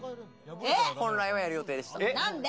本来はやる予定でした。